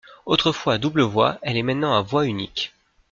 Autrefois à double voie, elle est maintenant à voie unique.